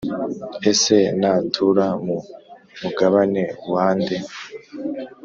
ese natura mu mugabane wa nde?